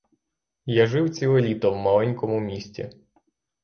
Я жив ціле літо в маленькому місті.